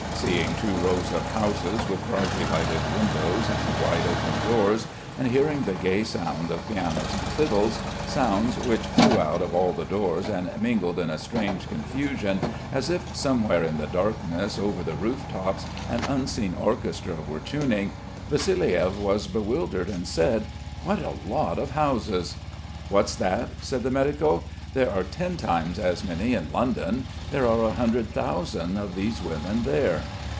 Seeing two rows of houses with brightly lighted windows and wide open doors, and hearing the gay sound of pianos and fiddles sounds which flew out of all the doors and mingled in a strange confusion, as if somewhere in the darkness over the roof tops an unseen orchestra were tuning, Vassiliev was bewildered and said: "What a lot of houses!" "What's that?" said the medico. "There are ten times as many in London. There are a hundred thousand of these women there."